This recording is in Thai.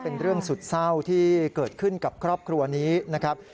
เป็นเรื่องสุดเศร้าที่เกิดขึ้นกับครอบครัวนี้นะครับ